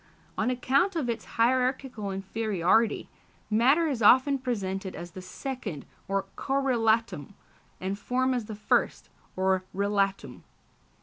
On account of its hierarchical inferiority, matter is often presented as the second, or correlatum, and form as the first, or relatum.